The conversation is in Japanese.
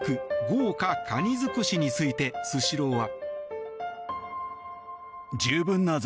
豪華かにづくしについてスシローは。